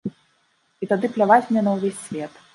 І тады пляваць мне на ўвесь свет.